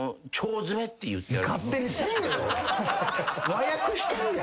和訳してるやん。